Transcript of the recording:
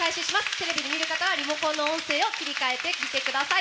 テレビで見る方はリモコンの音声を切り替えて見てください。